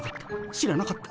知らなかった。